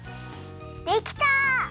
できた！